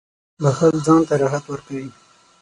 • بښل ځان ته راحت ورکوي.